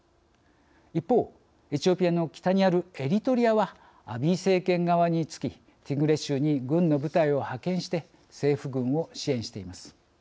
一方、エチオピアの北にあるエリトリアはアビー政権側に付きティグレ州に軍の部隊を派遣して政府軍を支援しています。